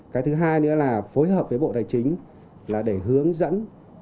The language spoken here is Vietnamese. cái thứ hai nữa là phối hợp với bộ tài chính là để hướng dẫn